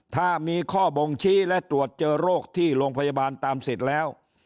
ถ้ามีข้อบ่งชี้และตรวจเจอโรคที่โรงพยาบาลตามสิทธิ์แล้ว